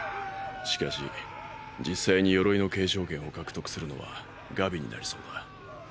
しかし実際に「鎧」の継承権を獲得するのはガビになりそうだ。